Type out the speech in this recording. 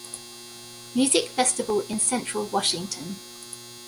Music Festival in Central Washington.